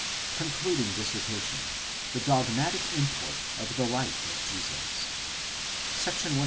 CONCLUDING DISSERTATION. THE DOGMATIC IMPORT OF THE LIFE OF JESUS, δ 144.